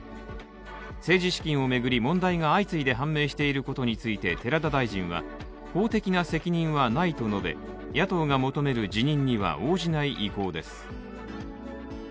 政治資金を巡り、問題が相次いで判明していることについて寺田大臣は法的な責任はないと述べ野党が求める辞任には応じない意向です。